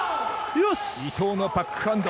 伊藤のバックハンド。